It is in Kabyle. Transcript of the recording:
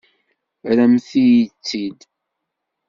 Rremt-t-id!